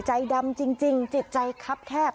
ใจดำจริงจิตใจครับแคบ